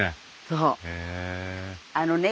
あのね